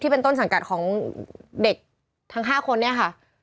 เป็นต้นสังกัดของเด็กทั้ง๕คนเนี่ยค่ะ